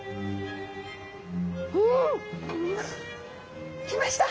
うん！きました！